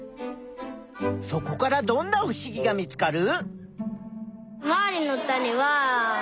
そこからどんなふしぎが見つかる？